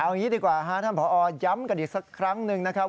เอางี้ดีกว่าท่านผอย้ำกันอีกสักครั้งหนึ่งนะครับ